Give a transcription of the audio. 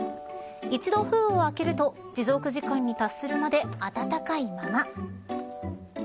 一度封を開けると持続時間に達するまで温かいまま。